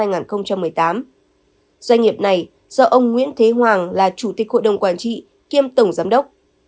doanh nghiệp này do ông nguyễn thế hoàng là chủ tịch hội đồng quản trị kiêm tổng giám đốc